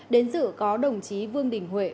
đến dự có đồng chí vương đình huệ